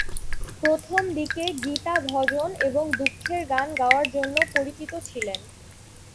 প্রথম দিকে গীতা ভজন এবং দুঃখের গান গাওয়ার জন্য পরিচিত ছিলেন।